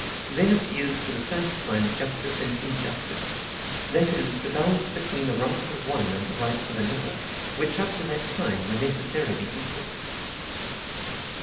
Then appears for the first time justice and injustice; that is, the balance between the rights of one and the rights of another, which up to that time were necessarily equal."